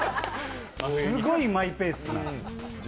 すごいマイペース。